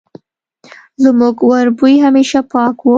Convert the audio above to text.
زموږ وربوی همېشه پاک وو